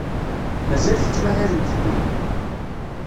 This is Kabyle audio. Mazal tettmahalemt din?